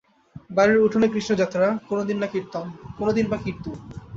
বাড়ির উঠোনে কৃষ্ণযাত্রা, কোনোদিন বা কীর্তন।